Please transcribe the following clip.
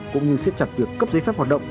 cũng như siết chặt việc cấp giấy phép hoạt động